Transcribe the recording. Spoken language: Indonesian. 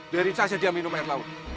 dari saat dia minum air laut